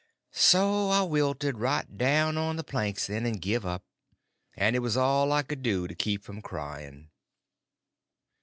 So I wilted right down on to the planks then, and give up; and it was all I could do to keep from crying.